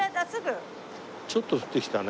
ちょっと降ってきたね。